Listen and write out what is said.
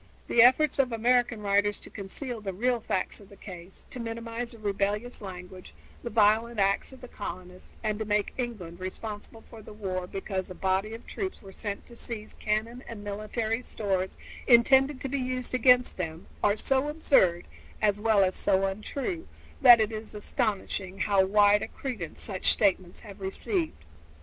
The efforts of American writers to conceal the real facts of the case, to minimize the rebellious language, the violent acts of the colonists, and to make England responsible for the war because a body of troops were sent to seize cannon and military stores intended to be used against them are so absurd, as well as so untrue, that it is astonishing how wide a credence such statements have received.